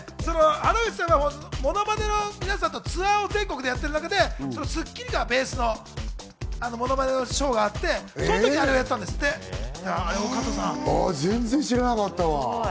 原口さんはモノマネの皆さんとツアーを全国でやっている中で『スッキリ』がベースのモノマネのショーがあって、そのときそれ全然知らなかったわ。